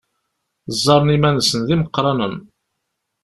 Ẓẓaren iman-nsen d imeqqranen.